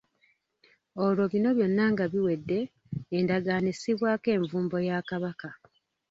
Olwo bino byonna nga biwedde, endagaano essibwako envumbo ya Kabaka.